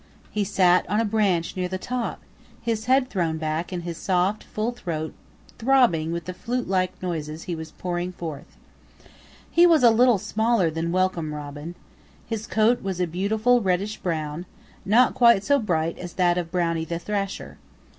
He sat on a branch near the top, his head thrown back and his soft, full throat throbbing with the flute like notes he was pouring forth. He was a little smaller than Welcome Robin. His coat was a beautiful reddish brown, not quite so bright as that of Brownie the Thrasher.